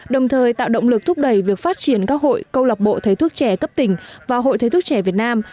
đồng thời tạo động lực thúc đẩy việc phát triển các hội câu lọc bộ thầy thuốc trẻ cấp tỉnh và hội thầy thuốc trẻ việt nam